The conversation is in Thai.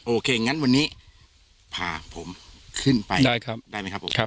โอเคงั้นวันนี้พาผมขึ้นไปได้ครับได้ไหมครับผม